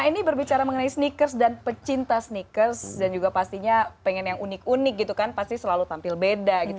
nah ini berbicara mengenai sneakers dan pecinta sneakers dan juga pastinya pengen yang unik unik gitu kan pasti selalu tampil beda gitu